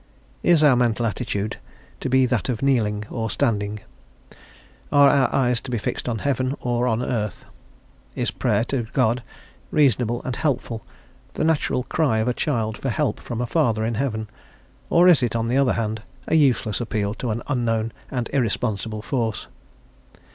Is our mental attitude to be that of kneeling or standing? Are our eyes to be fixed on heaven or on earth? Is prayer to God reasonable and helpful, the natural cry of a child for help from a Father in Heaven? Or is it, on the other hand, a useless appeal to an unknown and irresponsible force?